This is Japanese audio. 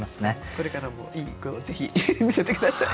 これからもいい句をぜひ見せて下さい。